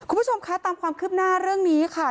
คุณผู้ชมคะตามความคืบหน้าเรื่องนี้ค่ะ